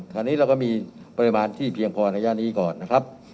คราวนี้เราก็มีปริมาณที่เพียงพอในย่านนี้ก่อนนะครับ